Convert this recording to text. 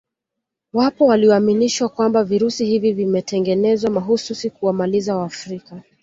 Wapo walioaminishwa kwamba virusi hivi vimetengenezwa mahususi kuwamaliza wafrika